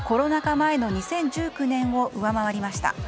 前の２０１９年を上回りました。